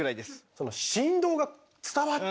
その振動が伝わってくる。